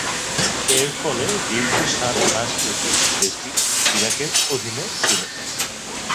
এর ফলে দীর্ঘ সাত মাসব্যাপী দেশটি ইরাকের অধীনে ছিল।